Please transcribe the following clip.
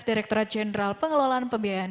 direktur general pengelolaan pembiayaan